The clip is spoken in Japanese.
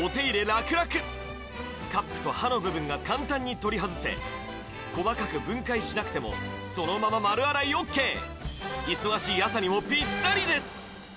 ラクラクカップと刃の部分が簡単に取り外せ細かく分解しなくてもそのまま丸洗いＯＫ忙しい朝にもぴったりです